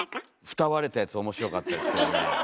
フタ割れたやつ面白かったですけどねえ。